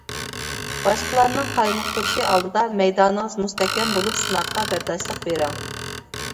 باشقىلارنىڭ قايمۇقتۇرۇشى ئالدىدا مەيدانىڭىز مۇستەھكەم بولۇپ سىناققا بەرداشلىق بېرىڭ.